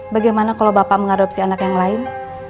bagaimana kalau bapak mengadopsi anak yang lain